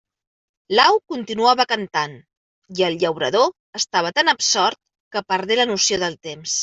L'au continuava cantant i el llaurador estava tan absort que perdé la noció del temps.